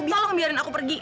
tolong biarin aku pergi